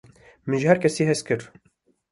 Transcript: min ji herkesî hez kir